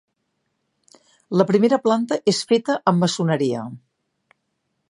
La primera planta és feta amb maçoneria.